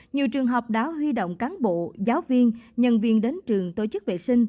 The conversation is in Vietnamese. nhiều trường học đã huy động cán bộ giáo viên nhân viên đến trường tổ chức vệ sinh